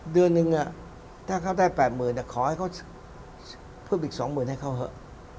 เดือนนึงถ้าเขาได้๘๐๐๐ขอให้เขาเพิ่มอีก๒๐๐๐ให้เขาเถอะ